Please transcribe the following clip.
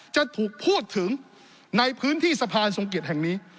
จะถูกพูดถึงในพื้นที่สะพานทรงเกียจแห่งนี้